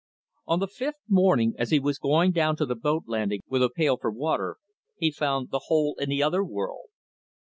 On the fifth morning, as he was going down to the boat landing with a pail for water, he found the hole into the other world.